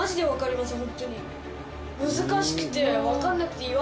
難しくて。